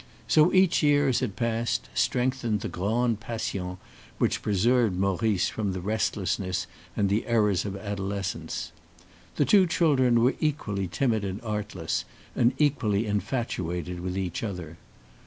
So each year, as it passed, strengthened the grande passion which preserved Maurice from the restlessness and the errors of adolescence. The two children were equally timid and artless, and equally infatuated with each other.